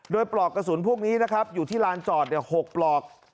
โดยปลอกกระสุนพวกนี้นะครับอยู่ที่ลานจอด๖ปลอก